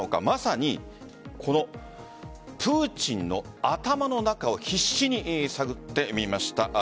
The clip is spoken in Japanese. まさにプーチンの頭の中を必死に探ってみました。